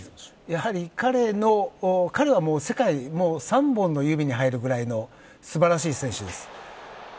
やはり彼は世界３本の指に入るぐらいの素晴らしい選手です。